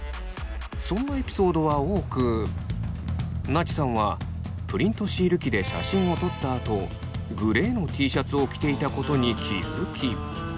そんなエピソードは多くなちさんはプリントシール機で写真を撮ったあとグレーのＴシャツを着ていたことに気付き。